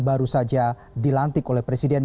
baru saja dilantik oleh presiden